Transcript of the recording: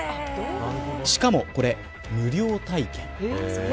しかも、これ無料体験。